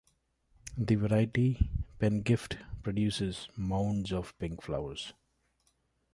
The variety Penngift produces mounds of pink flowers.